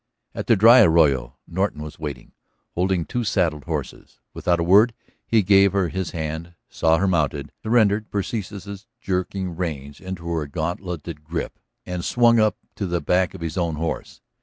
At the dry arroyo Norton was waiting, holding two saddled horses. Without a word he gave her his hand, saw her mounted, surrendered Persis's jerking reins into her gauntletted grip and swung up to the back of his own horse.